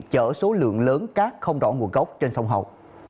chở số lượng lớn cát không rõ nguồn gốc trên sông hậu